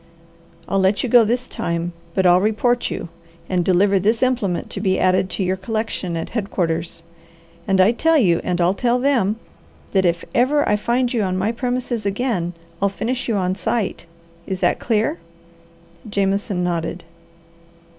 I'll let you go this time, but I'll report you, and deliver this implement to be added to your collection at headquarters. And I tell you, and I'll tell them, that if ever I find you on my premises again, I'll finish you on sight. Is that clear?" Jameson nodded.